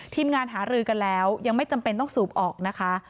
ทีมงานหารือกันแล้วยังไม่จำเป็นต้องสูบออกนะคะ